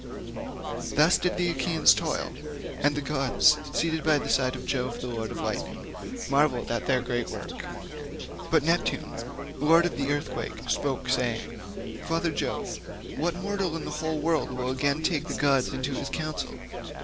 Thus did the Achaeans toil, and the gods, seated by the side of Jove the lord of lightning, marvelled at their great work; but Neptune, lord of the earthquake, spoke, saying, "Father Jove, what mortal in the whole world will again take the gods into his counsel?